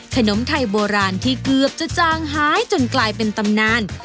ขนมไทยโบราณที่เกือบจะจางหายจนกลายเป็นตำนาน